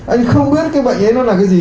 anh không biết cái bệnh ấy nó là cái gì